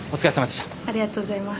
ありがとうございます。